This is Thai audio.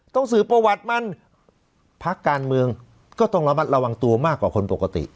ต้องสื่อประวัติมันภาคการเมืองก็ต้องระวังตัวมากกว่าคนปกติ